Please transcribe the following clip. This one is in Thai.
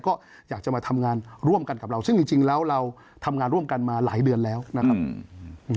ก็อยากจะมาทำงานร่วมกันกับเราซึ่งจริงจริงแล้วเราทำงานร่วมกันมาหลายเดือนแล้วนะครับอืม